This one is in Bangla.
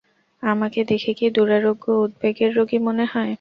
আমাকে দেখে কি দুরারোগ্য উদ্বেগের রোগী মনে হয়?